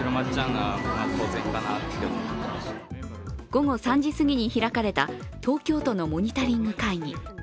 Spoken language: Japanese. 午後３時過ぎに開かれた東京都のモニタリング会議。